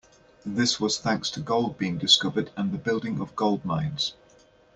This was thanks to gold being discovered and the building of gold mines.